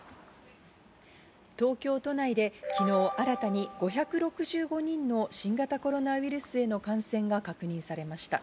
東京都内で昨日新たに５６５人の新型コロナウイルスへの感染が確認されました。